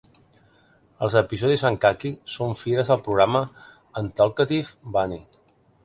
Els episodis en caqui són fires del programa Untalkative Bunny.